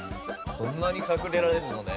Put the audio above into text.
こんなに隠れられるのね。